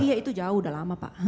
iya itu jauh udah lama pak